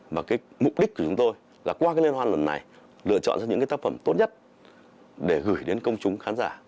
mà cái mục đích của chúng tôi là qua cái liên hoan lần này lựa chọn ra những cái tác phẩm tốt nhất để gửi đến công chúng khán giả